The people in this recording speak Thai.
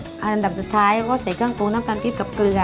ดับลงใส่เราก็ใส่งางกรุงน้ำการผีบกับเกลือ